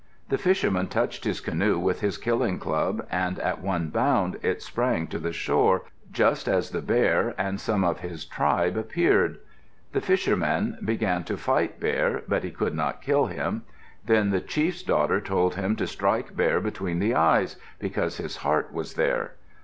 The fisherman touched his canoe with his killing club and in one bound it sprang to the shore, just as the Bear and some of his tribe appeared. The fisherman began to fight Bear, but he could not kill him. Then the chief's daughter told him to strike Bear between the eyes, because his heart was there.